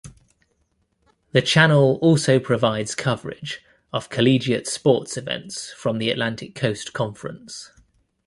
The channel also provides coverage of collegiate sports events from the Atlantic Coast Conference.